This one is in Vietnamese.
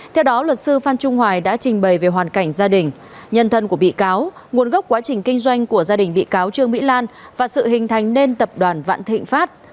theo đó luật sư phan trung hoài đã trình bày về hoàn cảnh gia đình nhân thân của bị cáo nguồn gốc quá trình kinh doanh của gia đình bị cáo trương mỹ lan và sự hình thành nên tập đoàn vạn thịnh pháp